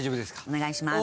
お願いします。